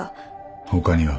他には？